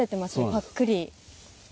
ぱっくり。